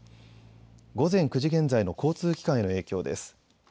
午前９時現在の交通機関への影響です。